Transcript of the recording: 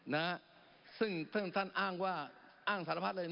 นะฮะซึ่งท่านอ้างว่าอ้างสารพัฒน์เลย